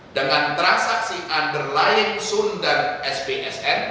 dengan transaksi underline sundan spsn